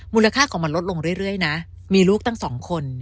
มูลค่าของมันลดลงเรื่อยนะมีลูกตั้งสองคน